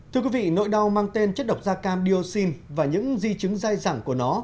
thưa quý vị nỗi đau mang tên chất độc da cam dioxin và những di chứng dai dẳng của nó